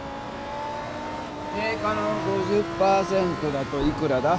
定価の５０％だといくらだ？